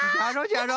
じゃろ？